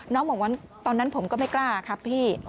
น้องบอกว่าตอนนั้นผมก็ไม่กล้าครับพี่